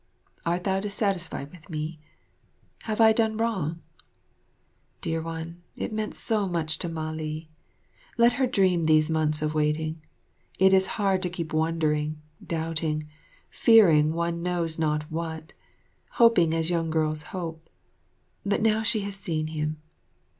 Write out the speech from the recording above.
Art thou dissatisfied with me? Have I done wrong? Dear One, it means so much to Mah li. Let her dream these months of waiting. It is hard to keep wondering, doubting, fearing one knows not what, hoping as young girls hope. But now she has seen him.